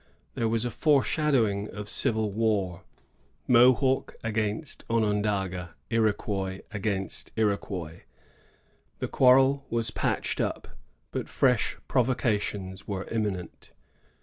^ Here was a foreshadow ing of civil war, — Mohawk against Onondaga, Iroquois against Iroquois. The quarrel was patched up, but fresh provocations were imminent.